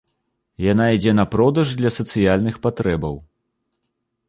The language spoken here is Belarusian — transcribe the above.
Яна ідзе на продаж для сацыяльных патрэбаў.